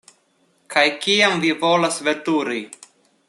Kaj kiam vi volas veturi?